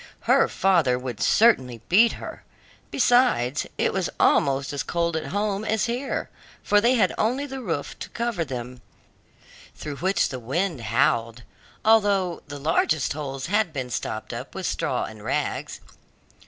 Her father would certainly beat her; besides, it was almost as cold at home as here, for they had only the roof to cover them, through which the wind howled, although the largest holes had been stopped up with straw and rags.